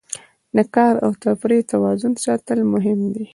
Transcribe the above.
د کار او تفریح توازن ساتل مهم دي.